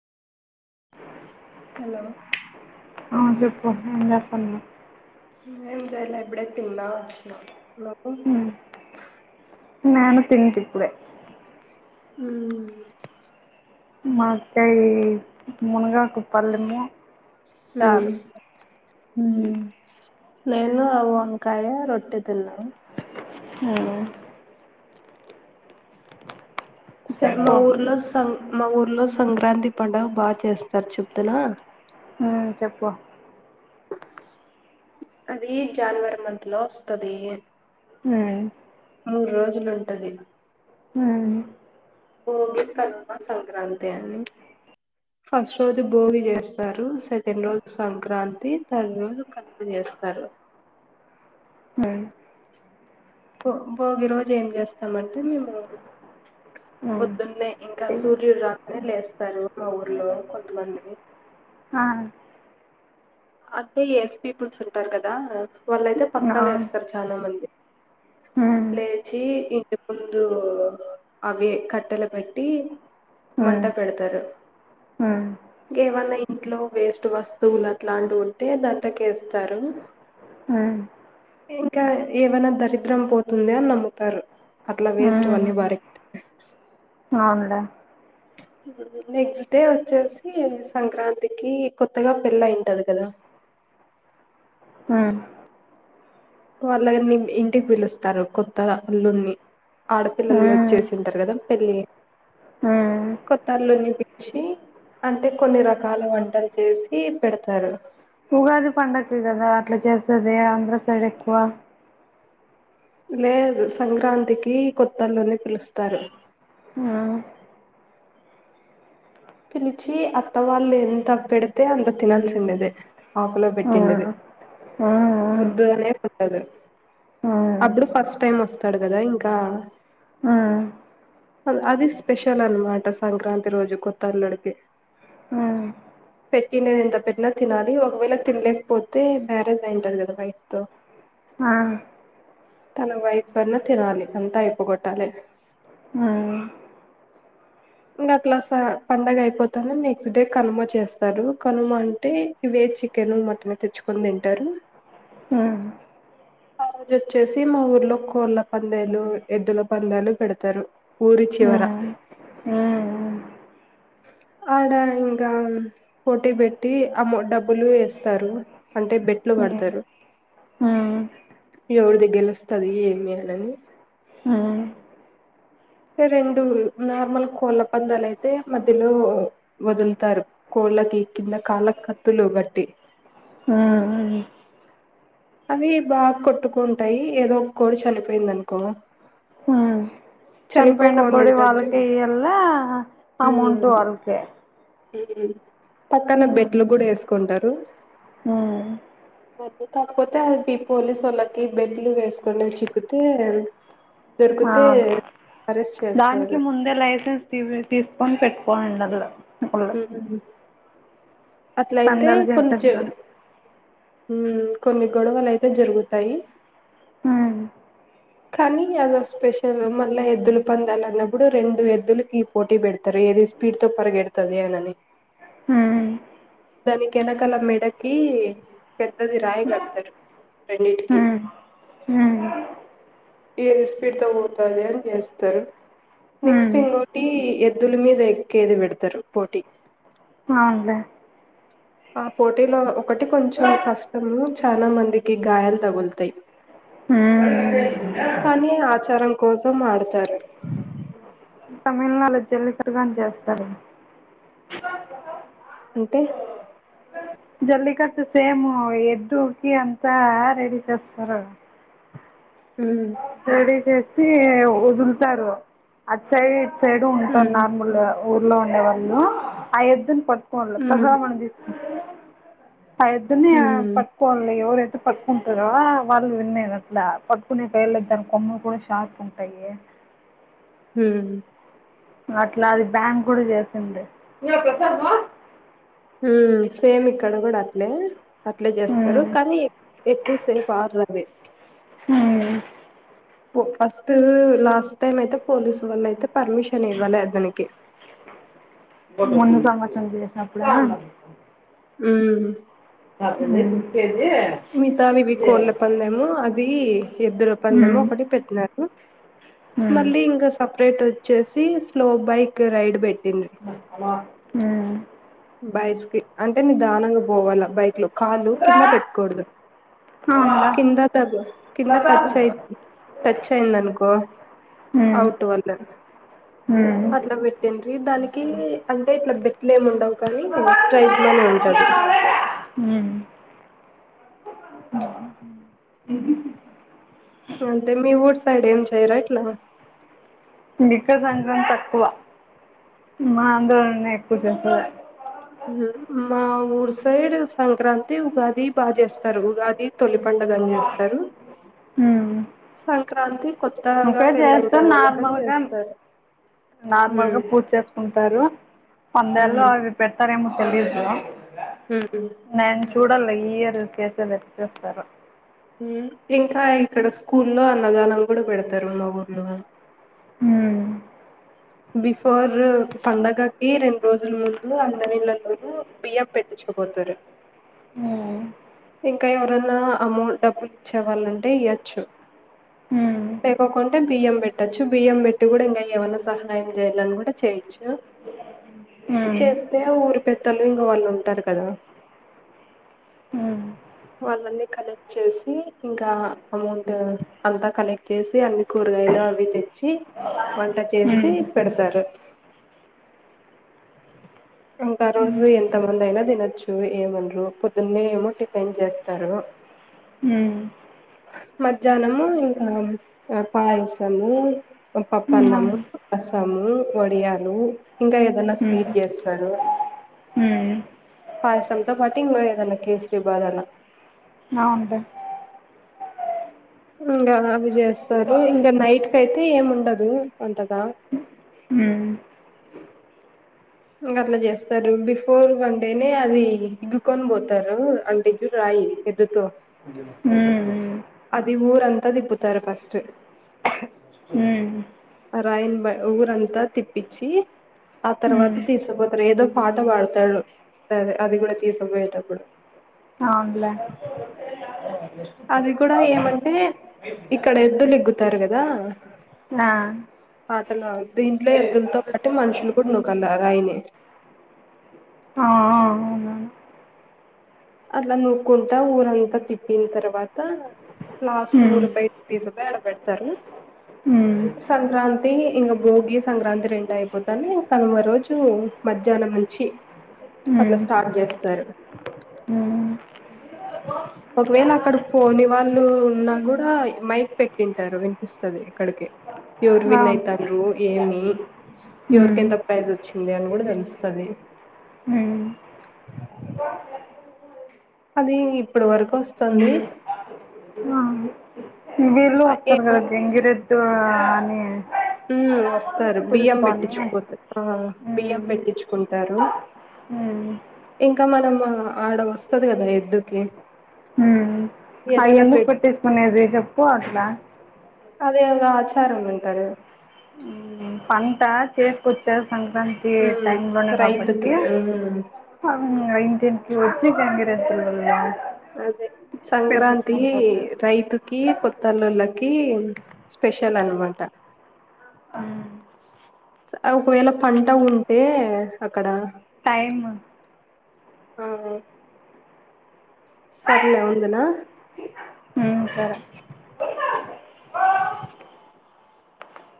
Hello ఆ చెప్పు ఏం చేస్తన్నావ్ ఏం చేయలే ఇప్పుడే తిన్నా వచ్చిన హలో ఉమ్, నేను తింటిప్పుడే ఆ మక్కాయి మునుగాకు పల్లెము చారు మ్ నేను వంకాయ రొట్టె తిన్నా మ్ స మా చెప్పు ఊర్లో స మా ఊర్లో సంక్రాంతి పండుగ బాగా చేస్తారు చెప్తున హ్ చెప్పు అది జనవరి మంత్లో వస్తది. హ్మ్ మూడు రోజులుంటది. హ్ భోగి, కనుమ, సంక్రాంతి అని ఫస్ట్ రోజు భోగి చేస్తారు. సెకండ్ రోజు సంక్రాంతి థర్డ్ రోజు కనుమ చేస్తారు. హ్ భోగి రోజు ఏం చేస్తామంటే మేము. ఉమ్, పొద్దున్నే ఇంకా చెయ్యి. సూర్యుడు రాక్ లేస్తారు మా ఊర్లో కొంతమంది. ఆహ్ అంతే ఎస్ పీపుల్స్ ఉంటారు కదా వాళ్ళయితే ఆ, పక్కలేస్తారు చాలా మంది. ఉమ్, లేచి ఇంటి ముందు అవి కట్టెలు కాట్టి మంట ఉమ్, పెడతారు ఉమ్, ఇంక ఏవన్నా ఇంట్లో వేస్ట్ వస్తువుల అట్లాంటి ఉంటే దంతకేస్తారు హుమ్ ఇంకా ఏమైనా దరిద్రం పోతుంది అని నమ్ముతారు. అట్లా వేస్ట్వన్నీ ఉమ్, పారేతే అవునులే నెక్స్ట్ డే వచ్చేసి సంక్రాంతికి కొత్తగా పెళ్ళి అయింటది కదా అహ్మ్ వాళ్ళని ఇంటికి పిలుస్తారు. కొత్త అల్లుని ఆడపిల్లలు ఉమ్, వచ్చేసింటారు కదా పెళ్లిి ఉమ్. కొత్త అల్లు పిలిచి అంటే కొన్ని రకాల వంటలు చేసి పెడతారు. ఉగాది పండగకి గాదా అట్లా చేస్తది ఆంధ్ర సైడ్ ఎక్కువ లేదు సంక్రాంతికి కొత్తల్లుని పిలుస్తారు. ఉహ్మ్ పిలిచి అత్త వాళ్ళు ఎంత పెడితే అంత తినాల్సిందదే ఆకుల పెట్టిండదే హ్మ్. హ్మ్. వద్దు అనే పద్దదు హ్మ్. అప్పుడు ఫస్ట్ టైం వస్తాడు. కదా ఇంకా హ్మ్. అది స్పెషల్ అనమాట సంక్రాంతి రోజు కొత్ తల్లుడికి హ్మ్. హ్మ్. పెట్టినది ఎంత పెట్టినా తినాలి. ఒకవేళ తినలేకపోతే మ్యారేజ్ అయింటది కదా వైఫ్ తో ఆ! తన వైఫ్ అన్న తినాలి అంతా అయిపోగొట్టాలి. హ్మ్. ఇంగా అట్లా లాస పండగ అయిపోతాను నెక్స్ట్ డే కనుమ చేస్తారు కనుమ అంటే ఇవే చికెన్, మటన్ తెచ్చుకొని తింటారు. ఉహ్మ్ ఆరోజొచ్చేసి మా ఊర్లో కోళ్ల పందేలు, ఎద్దుల పందేలు పెడతారు. ఊరి చివర ఉహ్మ్ ఉహ్ ఆడ ఇంకా పోటీ పెట్టి అమో డబ్బులు వేస్తారు. అంటే బెట్లు హ్మ్. కడతారు హ్మ్. ఎవరిది గెలుస్తాది ఏమి అనిని రెండు నార్మల్ కోళ్ళ పందాలు అయితే మధ్యలో వదులుతారు కోళ్ళకి కింద కళ్ళక్ కత్తులు గాట్టి ఉహ్మ్ అవి బాగా కొట్టుకుంటాయి. ఏదో ఒక కోటి చనిపోయింది అనుకో చనీపెంనా చనిపోకుండా కోడి ఉంటది వాళ్ళకే చూడు ఇఎల్లా అమౌంట్ వాళ్ళకే ఉహ్ హు పక్కన బెట్లు కూడా వేసుకుంటారు. రూ ఆహ్ మొబ్బుక కాకపోతే అది ప పోలి సోళ్లకి బెడ్లు వేసుకని చిక్కుతే ఆ దానికి చేస్తారు ముందే లైసెన్స్ తీ తీసుకొని పెట్టుకోంండ ల్ల ఉహ్ ఉహ్ అట్లయితే పందాలు కొన్ని చేసేకి చేత్ గాని. ఉహ్మ్ కొన్ని గొడవలు అయితే జరుగుతాయి. హా కానీ ఏదో స్పెషల్ మళ్ళా ఎద్దులు పందాల అన్నప్పుడు రెండు ఎద్దులకి పోటీ పెడతరు ఏది స్పీడ్ తో పరిగెడుతది అనని హ్మ్. దానికి వెనకాల మెడకి పెద్దది రాయి కడతరు రెండింటికి హ్మ్. హ్మ్. ఏది స్పీడ్ తో పోతంది అని చేస్తారు హ్మ్. నెక్స్ట్ ఇంగోటి ఎద్దుల మీద ఎక్కేది పెడతారు పోటీ అవునులే ఆ పోటీలో ఒకటి కొంచెం కష్టము చాలా మందికి గాయాలు తగులుతయి హ్మ్. కానీ ఆచారం కోసం ఆడతారు ఆ జల్లికట్టు అని చేస్తారు [unintelligible] అంటే జల్లికట్టు సేమ్ ఎద్దుకి అంతా రెడీ చేస్తారు హుమ్ రెడీ చేసి వదులుతారు అది సై సైడు ఉంటాను మ్ నార్మల్ గా [inaudible] ఊర్లో ఉండేవాళ్ళు ఆ ఎద్దుని కొ బ తస మ్ మ [unintelligible] అయితుంది గా మ్ పట్టుకోలి ఎవరె పట్టుకుంటరా వాళ్ళు విన్నే అట్లా పట్కునే పేర్లద్దాని కొమ్మలు కూడా షార్ప్ ఉంటాయి [inaudible] హుమ్ అట్లా అది బ్యాంగ్ కూడా చేసింది హుమ్ సేమ్ ఇక్కడ కూడా అట్లే అట్లే చేస్తారు ఉమ్, కానీ ఎక్కువసేపు ఆడర్ అది ఉమ్. ఫస్ట్ లాస్ట్ టైం అయితే పోలీసు వల్ల అయితే పర్మిషన్ ఇవ్వాలి అతనికి మగాంతం చేసినప్పుడా అండి [unintelligible] ఉమ్ ఇంతే [inaudible] మితావి ఇవి కోళ్ల పందెము అది ది ఇద్దరు ఒప్పందము ఒకటి పెట్టినారు మళ్ళీ ఇంకా సప్ సపరేట్ వచ్చేసి స్లో బైక్ రైడ్ పెట్ హాలో హుమ్మ్ బైస్ కి అంటే నిదానంగా పోవాలా బైక్ లో కాలు కింద పెట్కూడదు అవునా కింద తగ్ కింద టచ్ ప్రసాదం అయితు టచ్ అయింది అనుకో ఉమ్, అవుట్ వల్ల ఉమ్, అట్లా పెట్టిండ్రి దానికి అంటే ఇట్లా బెట్లేమ్ ఉండవు కానీ ప్రసాదం ప్రైజ్ కానీ మనీ అట్లా ఉంటది బాగాలేదా? ఉమ్. అంటె మీ వూర్ సైడ్ ఏం చేయర ఇట్ల బికజ అంద్రం తక్కువ మా ఆందోళన ఎక్కువ చేస్తుంది [unintelligible] మా ఊరు సైడ్ సంక్రాంతి ఉగాది బాగా చేస్తారు ఉగాది తొలి పండుగని చేస్తారు సంక్రాంతి కొత్తగా ఉకే చేస్తే పెళ్ళయిండే వాళ్ళకని నార్మల్ గా చేస్తారు నార్మల్ గా ఉమ్ పూజ చేసుకుంటారు పందేళ్ళ అవి పెడతారేమో తెలిదు కదా హమ్ చూడాలి ఈయర్ కేసలు ఎచ్చస్తారో ఇంకా ఇక్కడ స్కూలో అన్నదానం కూడా పెడతారు మా ఊర్లో హోమ్ బిఫోర్ పండగకి రెండు రోజుల ముందు అందరిళ్లలోనూ బియ్యం పెట్టించుకపోతారు హ ఇంకా ఎవరన్నా అమౌంట్ డబ్బులు ఇచ్చేవాళ్ళంటే ఇయొచ్చు ఉమ్ లేకకుంటే బియ్యం పెట్టొచ్చు బియ్యం పెట్టి కూడా ఇంకా ఏమైనా సహాయం చేయాలని కూడా చేయచ్చు ఉమ్ చేస్తే ఊరి పెత్తలు ఇంక వాళ్ళు ఉంటారు కదా వాళ్ళనీ కలెక్ట్ చేసి ఇంకా అమౌంట్ అంతా కలెక్ట్ చేసి అన్ని కూరగాయలు అవి తెచ్చి వంట చేసి చేసి ఉమ్ పెడతారు ఇంకా రోజు ఎంత మంది అయినా తినొచ్చు ఏమనరు పొద్దున్న ఏమో టిఫిన్ చేస్తారు హమ్ మద్యనము ఇంకా పాయసము పప్పన్నము ము వడియాలు ఇంకా ఏదనా స్వీట్ చేస్తారు ఉం పాయసంతో పాటి ఇంగో ఏదన్నా కేస్రీ బాద అలా అవునుంటా ఇంకా అవి చేస్తారు ఇంకా నైట్ క అయితే ఏమి ఉండదు అంతగా ఉమ్ ఇంకా అట్లా చేస్తారు బిఫోర్ వన్ డేనే అది ఇగుకొని పోతారు అంటే చూ రాయి ఎద్దతో ఉమ్ అవునులే ఉమ్ ఉమ్ అది ఊరంతా దిప్పుతారు ఫస్ట్ హ రాయిన్ బ ఊరంతా తిప్పించి ఆ తర్వాత ఉమ్ తీసుకుపోతారు ఏదో పాట పాడతాడు అది కూడా తీసుకుపోయేటప్పుడు అవునులే అది కూడా ఏమంటే ఇక్కడ ఎద్దులు ఇగ్గుతారు కదా దా ఆ పాటలు దీంట్లో ఎద్దులతో పాటు మనుషులు కూడా నుకల్లా రాయిని ఆ అట్లా నూక్కుంటా ఊరంతా తిప్పిన తర్వాత లాస్ట్ ఉమ్ ఊరుబయిట తీసుకపోయి పెడతారు ఉమ్ సంక్రాంతి ఇంక భోగి సంక్రాంతి రెండు అయిపోతానే కనుమ రోజు మధ్యాహ్నం నుంచి అట్లా హ్మ్. స్టార్ట్ చేస్తారు హ్మ్. ఒకవేళ అక్కడ పోని వాళ్ళు ఉన్న కూడా మైక్ పెట్టింటారు వినిపిస్తుది ఇక్కడికి ఎవర్ విన్ బాగుంది అయితారు ఏమి ఎవరికి హ్మ్. ఎంత ప్రైజ్ వచ్చింది అని కూడా తెలుస్తుంది హ్మ్. అది ఇప్పుడు వరకు వస్తుంది బాగుంది వీళ్ళు ఆ వస్తారు కదా ఏమన్ గంగిర ఎద్దు అనే వస్తారు బియ్యం పెట్టించుపోత బియ్యం పెట్టించుకుంటారు హ ఇంకా మనం ఆడ వస్తది కదా ఎద్దుకి అయ్యి ఏదైనా ఎందుకు పెట్ పట్టేసుకునేది చెప్పు అట్లా అదే ఒక ఆచారం అంటారు అంతా చేసుకొచ్చ సంక్రాంతి ఉమ్ టైమ్ లోనే కాబట్టి రైతుకి ఉమ్ ఇంటింటికి వచ్చి గంగిరే [unintelligible] అదే సంక్రాంతి పోతారు రైతుకి కొత్తల్లుళ్ళకి స్పెషల్ అనమాట హ్మ్. ఒకవేళ పంట ఉంటే అక్కడ టైమ్ ఆ సర్లే ఉందినా సరే